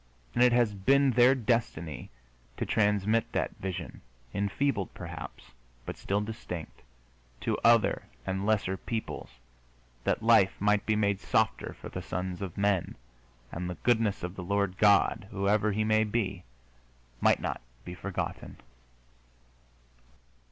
And it has been their destiny to transmit that vision, enfeebled, perhaps, but still distinct, to other and lesser peoples, that life might be made softer for the sons of men, and the goodness of the Lord God whoever He may be might not be forgotten.